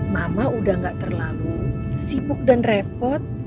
mama udah gak terlalu sibuk dan repot